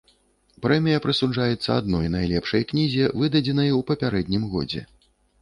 Прэмія прысуджаецца адной найлепшай кнізе, выдадзенай у папярэднім годзе.